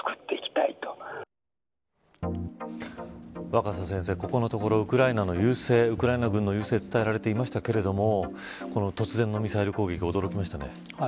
若狭先生、ここのところウクライナの優勢伝えられていましたけども突然のミサイル攻撃驚きましたね。